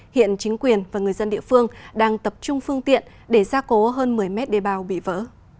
hiện chính quyền và người dân địa phương đang tập trung phương tiện để gia cố hơn một mươi mét đê bao bị vỡ